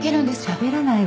しゃべらないわよ。